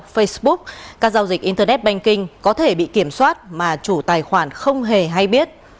facebook các giao dịch internet banking có thể bị kiểm soát mà chủ tài khoản không hề hay biết